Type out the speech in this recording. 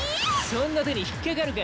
そんな手に引っ掛かるか。